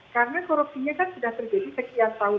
karena korupsinya kan sudah terjadi sekian tahun yang lalu